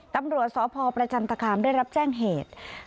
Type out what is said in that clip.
ตำรวจศพปคได้รับแจ้งเหตุ